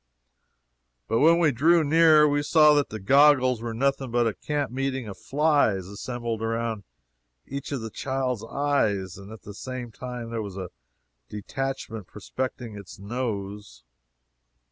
But when we drew near, we saw that the goggles were nothing but a camp meeting of flies assembled around each of the child's eyes, and at the same time there was a detachment prospecting its nose.